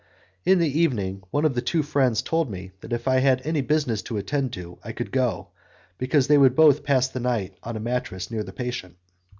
In the evening one of the two friends told me that if I had any business to attend to I could go, because they would both pass the night on a mattress near the patient.